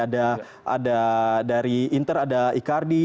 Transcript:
ada dari inter ada icardi